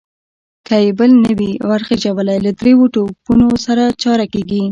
که يې بل نه وي ور خېژولی، له درېيو توپونو سره چاره کېږي.